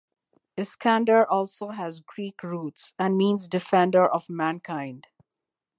Iskander also has Greek roots, and means Defender of Mankind.